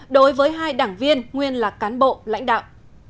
đối với hai đảng viên nguyên là cán bộ lãnh đạo